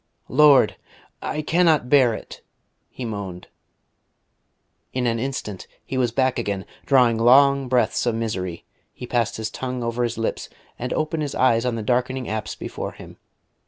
"Lord! I cannot bear it!" he moaned.... In an instant he was back again, drawing long breaths of misery. He passed his tongue over his lips, and opened his eyes on the darkening apse before him.